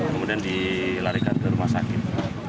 kemudian dilarikan ke rumah sakit